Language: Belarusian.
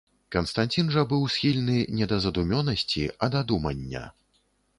Канстанцін жа быў схільны не да задумёнасці, а да думання.